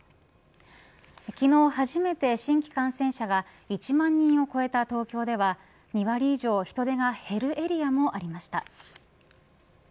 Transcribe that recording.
昨日、初めて新規感染者が１万人を超えた東京では２割以上人出が減るエリアもありました。